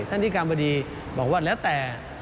ท่านพินัยกรรมพอดีบอกว่าแล้วแต่